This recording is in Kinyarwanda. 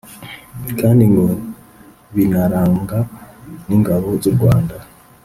kandi ngo binaranga n’ingabo z’u Rwanda